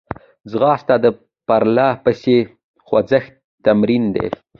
ځغاسته د پرلهپسې خوځښت تمرین دی